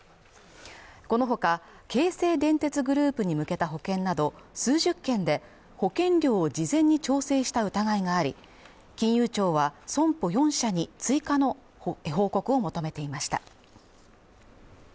このほか京成電鉄グループに向けた保険など数十件で保険料を事前に調整した疑いがあり金融庁は損保４社に追加の報告を求めていました